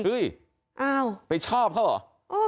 เฮ้ยไปชอบเขาเหรอ